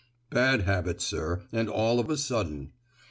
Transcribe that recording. "Bad habits, sir; and all of a sudden.